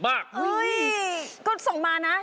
คาถาที่สำหรับคุณ